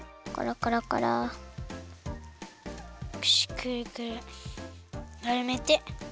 くるくるまるめて。